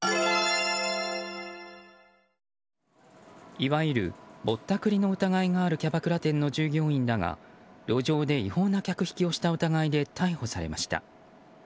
いわゆるぼったくりの疑いがあるキャバクラ店の従業員らが路上で違法な客引きをした疑いで逮捕されました。